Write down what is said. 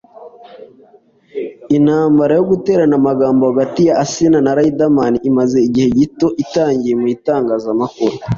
Intambara yo guterana amagambo hagati ya Asinah na Riderman imaze igihe gito itangiye mu itangazamakuru